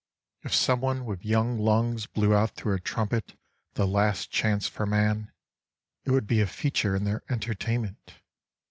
If some one with young lungs Blew out through a trumpet the last chance for man, It would be a feature in their entertainment.